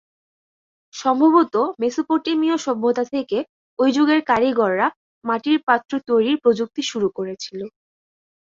সম্ভবত মেসোপটেমীয় সভ্যতা থেকে ঐ যুগের কারিগররা মাটির পাত্র তৈরির প্রযুক্তি শুরু করেছিল।